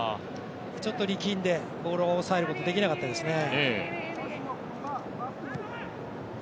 ちょっと力んでボールを抑えることができなかったですね。